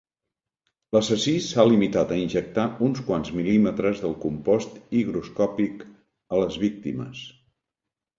L'assassí s'ha limitat a injectar uns quants mil·límetres del compost higroscòpic a les víctimes.